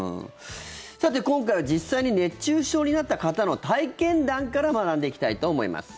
さて、今回は実際に熱中症になった方の体験談から学んでいきたいと思います。